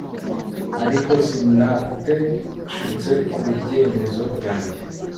ariko sinateshutse ku byemezo byawe